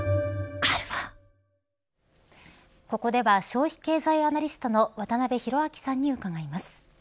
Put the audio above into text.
ここでは消費経済アナリストの渡辺広明さんに伺います。